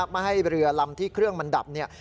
ไม่ให้เรือลำที่เครื่องมันดับเนี่ย